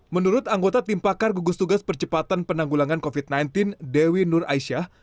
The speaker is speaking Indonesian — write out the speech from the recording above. menurut anggota tim pakar gugus tugas percepatan penanggulangan covid sembilan belas dewi nur aisyah